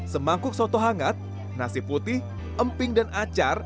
semangkuk soto hangat nasi putih emping dan acar